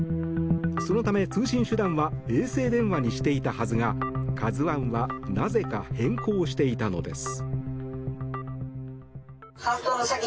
そのため通信手段は衛星電話にしていたはずが「ＫＡＺＵ１」はなぜか変更していたのです。